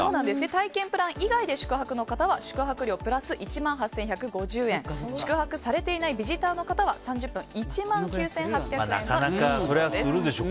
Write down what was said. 体験プラン以外で宿泊の方は宿泊料プラス１万８１５０円宿泊されていないビジターの方は３０分でそりゃ、するでしょ